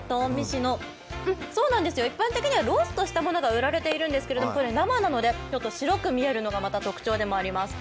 そうなんです、一般的にはローストしたものが売られているんですがこれ、生なので、白く見えるのが特徴でもあります。